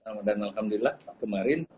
sama dan alhamdulillah kemarin